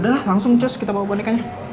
udah lah langsung cos kita bawa bonekanya